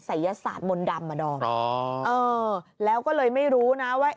ยศาสตร์มนต์ดำอ่ะดอมแล้วก็เลยไม่รู้นะว่า